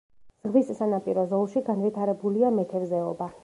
ზღვის სანაპირო ზოლში განვითარებულია მეთევზეობა.